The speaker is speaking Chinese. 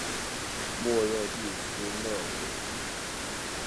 莫热地区讷维。